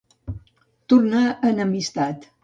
Tornar en amistat.